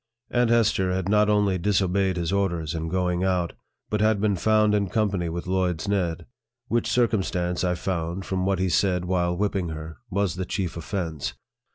Aunt Hester had not only disobeyed his orders in going out, but had been found in company with Lloyd's Ned ; which circumstance, I found, from what he said while whipping her, was the chief offence.